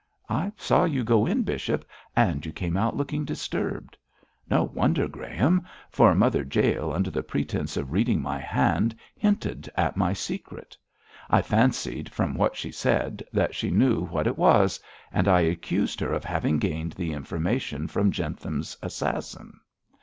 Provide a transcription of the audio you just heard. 'I saw you go in, bishop; and you came out looking disturbed.' 'No wonder, Graham; for Mother Jael, under the pretence of reading my hand, hinted at my secret. I fancied, from what she said, that she knew what it was; and I accused her of having gained the information from Jentham's assassin.